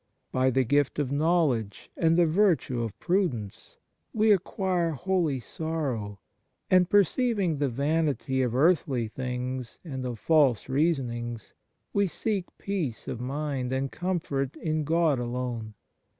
By the gift of knowledge and the virtue of prudence we acquire holy sorrow, and perceiving the vanity of earthly things and of false reasonings, we seek peace of mind and comfort in God alone.